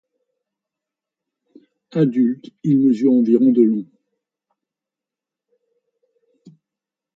Adulte, il mesure environ de long.